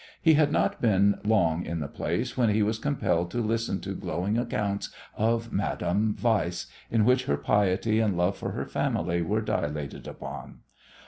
He had not been long in the place when he was compelled to listen to glowing accounts of Madame Weiss, in which her piety and love for her family were dilated upon.